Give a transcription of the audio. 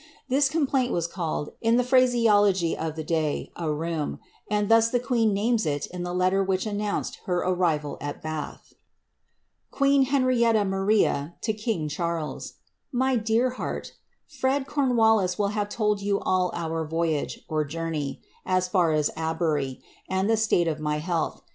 This complaint was called, in the phraseology of the day, a rheum, and thus the queen names it in the letter which announced her arrival at Bath. QOKXN HXHEIBTTA MaKIA TO KiNG ChJJILXS.* • Mj dear heart, "Fred Com wallis will have told you all our voyage (journey) as far as Abury, sad the state of my health.